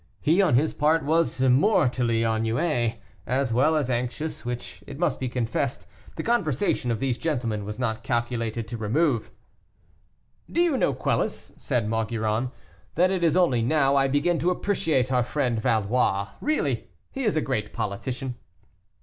He, on his part, was mortally ennuyé, as well as anxious, which, it must be confessed, the conversation of these gentlemen was not calculated to remove. "Do you know, Quelus," said Maugiron, "that it is only now I begin to appreciate our friend Valois; really he is a great politician."